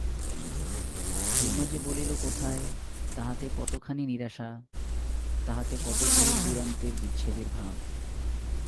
সুরমা যে বলিল কোথায়, তাহাতে কতখানি নিরাশা, তাহাতে কত দূর-দূরান্তরের বিচ্ছেদের ভাব!